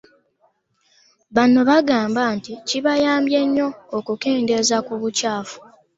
Bano bagamba nti kibayambye nnyo okukendeeza ku bucaafu